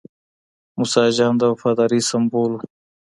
موسی جان د وفادارۍ سمبول و.